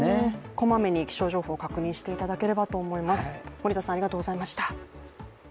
こまめに気象状況確認していただければと思います。